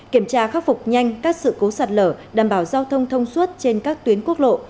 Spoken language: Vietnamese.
kiểm tra khắc phục nhanh các sự cố sạt lở đảm bảo giao thông thông suốt trên các tuyến quốc lộ